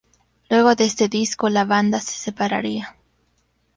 Luego de este disco la banda se separaría.